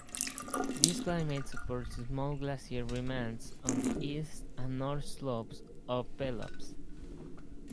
This climate supports small glacier remnants on the east and north slopes of Pelops.